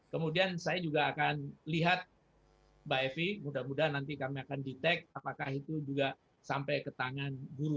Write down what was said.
kemudian saya juga akan lihat mbak evi mudah mudahan nanti kami akan detek apakah itu juga sampai ke tangan guru